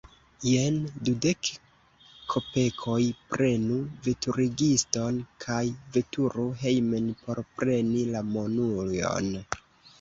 Jen dudek kopekoj; prenu veturigiston kaj veturu hejmen, por preni la monujon.